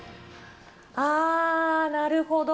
ああ、なるほど。